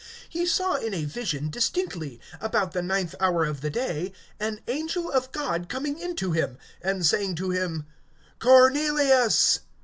(3)He saw in a vision, distinctly, about the ninth hour of the day, an angel of God coming in to him, and saying to him: Cornelius!